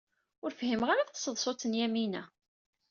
Ur fhimeɣ ara taseḍsut n Yamina.